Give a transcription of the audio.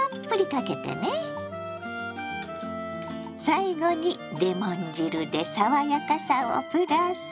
最後にレモン汁で爽やかさをプラス。